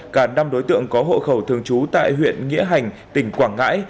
cả năm đối tượng có hộ khẩu thường trú tại huyện nghĩa hành tỉnh quảng ngãi